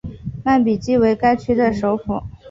曼比季为该区的首府。